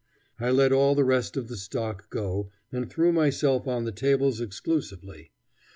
I let all the rest of the stock go and threw myself on the tables exclusively.